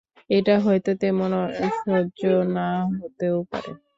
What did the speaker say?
এটা হয়তো তেমন অসহ্য না হতেও পারে।